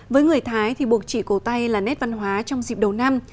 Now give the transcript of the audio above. với người thái thì buộc chỉ cổ tay là nét văn hóa trong dịp đầu năm